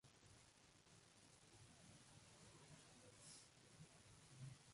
Tuvieron cuatro hijos, incluyendo a Robert Taft Jr.